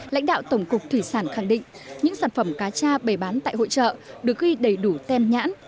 lãnh đạo tổng cục thủy sản khẳng định những sản phẩm cá cha bày bán tại hội trợ được ghi đầy đủ tem nhãn